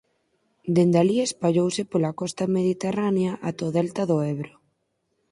Dende alí espallouse pola costa mediterránea ata o delta do Ebro.